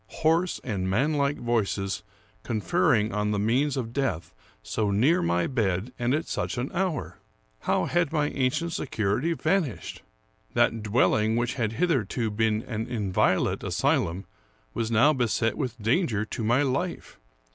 Hoarse and manlike voices conferring on the means of death, so near my bed, and at such an hour! How had my ancient security vanished! That dwelling which had hitherto been an inviolate asylum was now beset with dan ger to my life.